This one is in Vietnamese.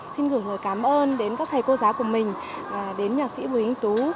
xin gửi lời cảm ơn đến các thầy cô giáo của mình đến nhạc sĩ bùi anh tú